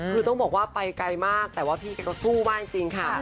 คือต้องบอกว่าไปไกลมากแต่ว่าพี่แกก็สู้มากจริงค่ะ